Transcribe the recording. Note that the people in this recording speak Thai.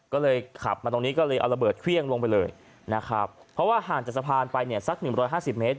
ก็เลยขับมาตรงนี้ก็เลยเอาระเบิดเครื่องลงไปเลยนะครับเพราะว่าห่างจากสะพานไปเนี่ยสักหนึ่งร้อยห้าสิบเมตร